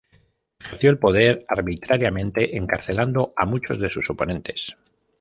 Ejerció el poder arbitrariamente encarcelando a muchos de sus oponentes.